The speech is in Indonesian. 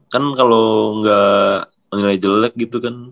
kan kalo nggak nilai jelek gitu kan